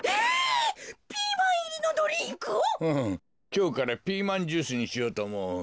きょうからピーマンジュースにしようとおもう。